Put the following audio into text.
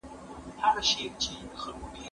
هغه څوک چي خواړه ورکوي مرسته کوي!